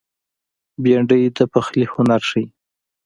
بېنډۍ د پخلي هنر ښيي